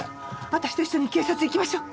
私と一緒に警察行きましょう。